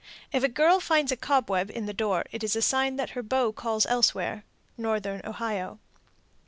If a girl finds a cobweb in the door, it is a sign that her beau calls elsewhere. _Northern Ohio.